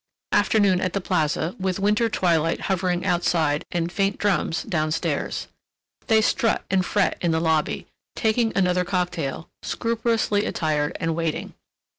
Afternoon at the Plaza, with winter twilight hovering outside and faint drums down stairs... they strut and fret in the lobby, taking another cocktail, scrupulously attired and waiting.